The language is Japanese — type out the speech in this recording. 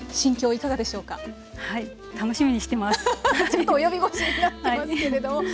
ちょっと及び腰になってますけれども。